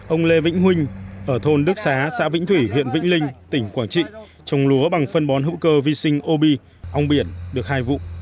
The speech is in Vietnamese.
ông lê vĩnh huynh ở thôn đức xá xã vĩnh thủy huyện vĩnh linh tỉnh quảng trị trồng lúa bằng phân bón hữu cơ vi sinh obi ong biển được hai vụ